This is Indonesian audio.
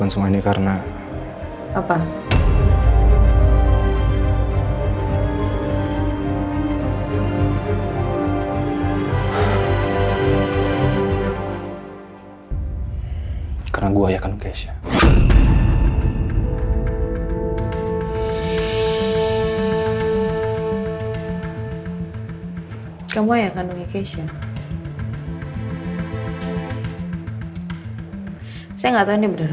saya tidak akan sembah ini karena